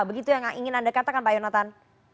begitu yang ingin anda katakan pak yonatan